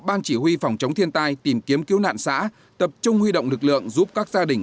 ban chỉ huy phòng chống thiên tai tìm kiếm cứu nạn xã tập trung huy động lực lượng giúp các gia đình